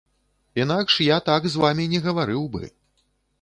Інакш я так з вамі не гаварыў бы.